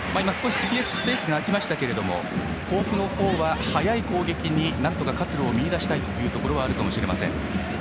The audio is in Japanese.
今少しスペースが空きましたが甲府のほうは速い攻撃になんとか活路を見いだしたいところがあるかもしれません。